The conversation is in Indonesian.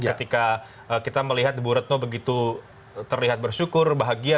ketika kita melihat ibu retno begitu terlihat bersyukur bahagia